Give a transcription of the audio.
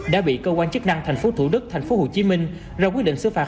đã bị cơ quan chức năng thành phố thủ đức thành phố hồ chí minh ra quyết định xứ phạt